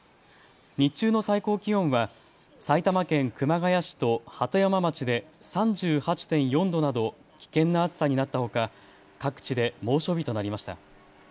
日中の最高気温は埼玉県熊谷市と鳩山町で３８．４度など危険な暑さになったほか各地で猛暑日となりました。